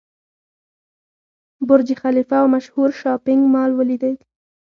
برج خلیفه او مشهور شاپینګ مال ولیدل.